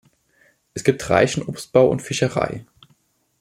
Es gibt reichen Obstbau und Fischerei.